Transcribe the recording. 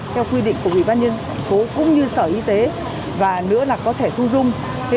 theo quy định của vị bác nhân cũng như sở y tế và nữa là có thể thu dung